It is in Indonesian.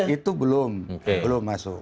itu belum belum masuk